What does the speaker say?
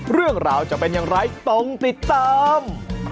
เรื่องราวจะเป็นเฉินยังไงตรงติดตาม